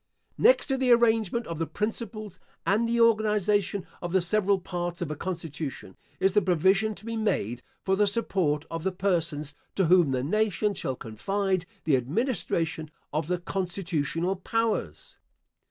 Next to the arrangement of the principles and the organization of the several parts of a constitution, is the provision to be made for the support of the persons to whom the nation shall confide the administration of the constitutional powers.